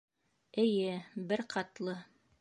Эйе, бер ҡатлы